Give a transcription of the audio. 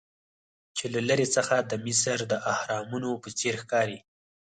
چې له لرې څخه د مصر د اهرامونو په څیر ښکاري.